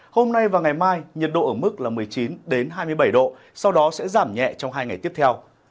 hôm nay và ngày mai nhiệt độ ở mức một mươi chín hai mươi bảy độ sau đó sẽ giảm nhẹ trong hai ngày tiếp theo